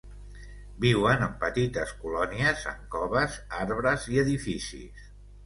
Viuen en petites colònies en coves, arbres i edificis.